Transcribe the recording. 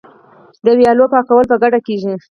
د ویالو پاکول په ګډه کیږي.